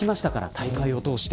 大会を通して。